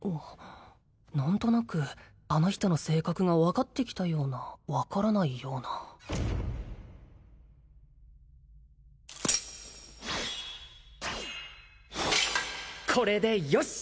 何となくあの人の性格が分かってきたような分からないようなこれでよし！